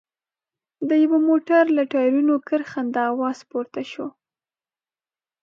د يوه موټر له ټايرونو کرښنده اواز پورته شو.